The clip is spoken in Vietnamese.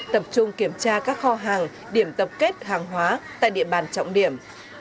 tập trung kiểm tra các kho hàng điểm tập kết hàng hóa tại địa bàn trọng điểm